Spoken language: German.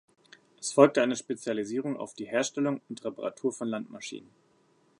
Es folgte eine Spezialisierung auf die Herstellung und Reparatur von Landmaschinen.